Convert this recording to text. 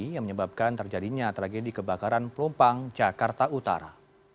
yang menyebabkan terjadinya tragedi kebakaran pelumpang jakarta utara